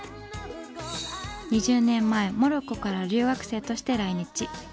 ２０年前モロッコから留学生として来日。